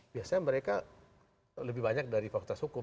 biasanya mereka lebih banyak dari fakultas hukum